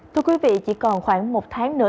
thưa quý vị chỉ còn khoảng một tháng nữa